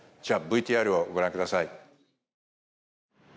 じゃＶＴＲをご覧下さい。